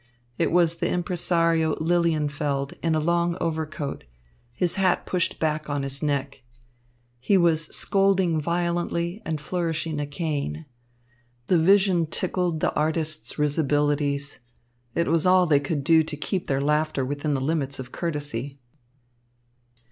It was the impresario Lilienfeld, in a long overcoat, his hat pushed back on his neck. He was scolding violently and flourishing a cane. The vision tickled the artists' risibilities. It was all they could do to keep their laughter within the limits of courtesy.